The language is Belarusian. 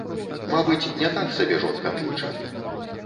Мабыць, не так сабе жонка кліча.